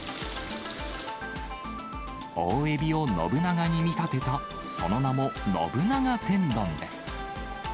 大エビを信長に見立てた、その名も信長天丼です。